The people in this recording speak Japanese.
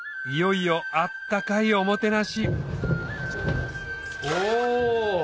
いよいよ温かいおもてなしお！